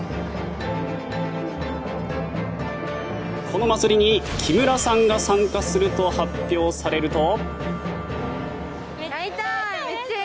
このまつりに木村さんが参加されると発表されると。